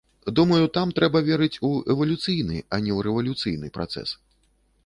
Думаю, там трэба верыць у эвалюцыйны, а не ў рэвалюцыйны працэс.